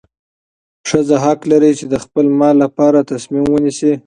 ښځه حق لري چې د خپل مال لپاره تصمیم ونیسي.